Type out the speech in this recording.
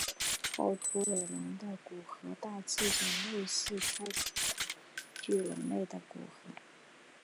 后凹尾龙的骨骸大致上类似泰坦巨龙类的骨骸。